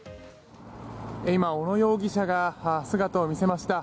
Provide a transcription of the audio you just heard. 今、小野容疑者が姿を見せました。